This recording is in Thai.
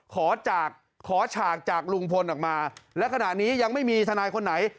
ขอฉากจากลุงพลออกมาและขณะนี้ยังไม่มีทนายคนไหน